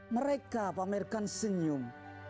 mereka pamerkan senyum